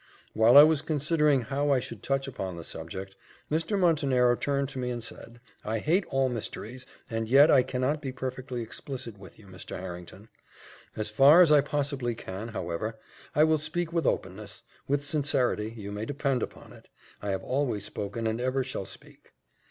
While I was considering how I should touch upon the subject, Mr. Montenero turned to me and said, "I hate all mysteries, and yet I cannot be perfectly explicit with you, Mr. Harrington; as far as I possibly can, however, I will speak with openness with sincerity, you may depend upon it, I have always spoken, and ever shall speak.